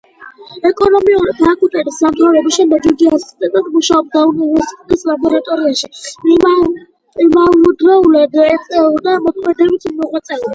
ეკონომიკური ფაკულტეტის დამთავრების შემდეგ იგი ასისტენტად მუშაობდა უნივერსიტეტის ლაბორატორიაში, იმავდროულად ეწეოდა შემოქმედებით მოღვაწეობას.